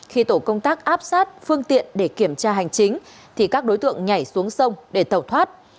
khi tổ công tác áp sát phương tiện để kiểm tra hành chính thì các đối tượng nhảy xuống sông để tẩu thoát